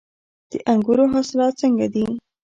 د انګورو حاصلات څنګه دي؟